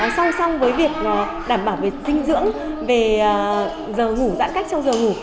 xong xong với việc đảm bảo về dinh dưỡng về giờ ngủ giãn cách trong giờ ngủ